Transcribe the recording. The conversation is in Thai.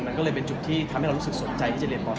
มันก็เลยเป็นจุดที่ทำให้เรารู้สึกสนใจที่จะเรียนบอล